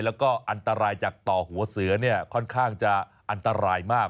แล้วก็อันตรายจากต่อหัวเสือเนี่ยค่อนข้างจะอันตรายมาก